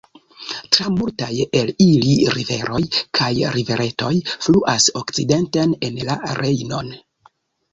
Tra multaj el ili riveroj kaj riveretoj fluas okcidenten en la Rejnon.